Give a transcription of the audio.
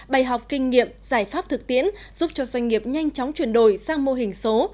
bày học kinh nghiệm giải pháp thực tiễn giúp cho doanh nghiệp nhanh chóng chuyển đổi sang mô hình số